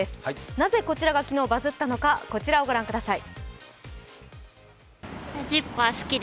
なぜこちらが昨日バズったのか、こちらを御覧ください。